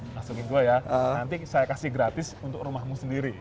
masukin gue ya nanti saya kasih gratis untuk rumahmu sendiri